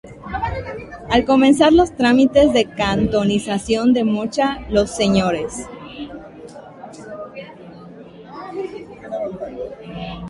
Al comenzar los trámites de cantonización de Mocha los Srs.